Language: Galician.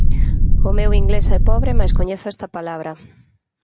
O meu inglés é pobre, mais coñezo esta palabra.